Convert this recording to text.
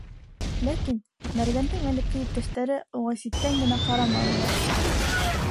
Ләкин мәргәндең элекке иптәштәре уға ситтән генә ҡараманылар.